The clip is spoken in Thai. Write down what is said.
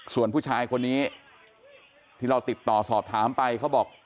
ส่วนผู้ชายคนนี้ที่เราติดต่อสอบถามไปเขาบอก